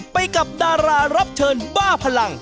ไปกับดารารับเชิญบ้าพลัง